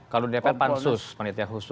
kalau dpr pansus